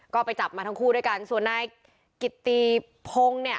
ก็ไปจับมาทั้งคู่ด้วยกันส่วนนายกิตตีพงศ์เนี่ย